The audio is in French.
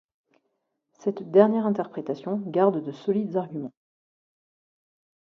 Cette dernière interprétation garde de solides arguments.